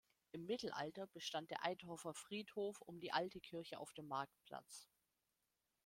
Im Mittelalter bestand der Eitorfer Friedhof um die alte Kirche auf dem Marktplatz.